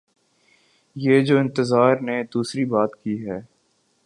یہ جو انتظار نے دوسری بات کی ہے۔